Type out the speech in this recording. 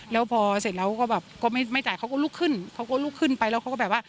แล้วพอเสร็จแล้วก็แบบก็ไม่จ่ายเขาก็ลุกขึ้นเขาก็ลุกขึ้นไปแล้วเขาก็แบบว่า